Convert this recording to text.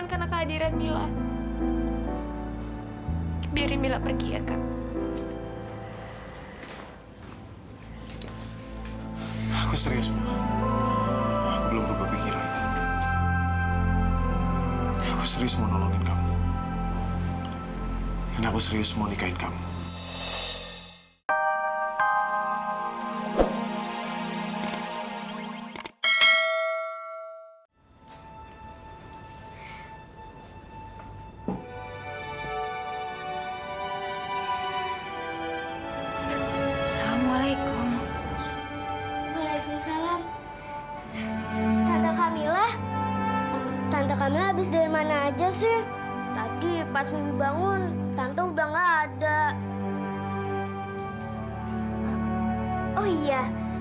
sampai jumpa di video selanjutnya